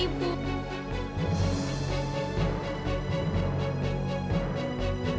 ibu gak tau namanya